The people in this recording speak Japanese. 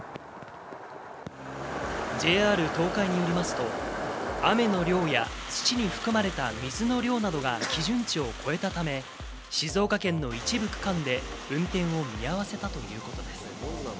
ＪＲ東海によりますと、雨の量や土に含まれた水の量などが基準値を超えたため、静岡県の一部区間で運転を見合わせたということです。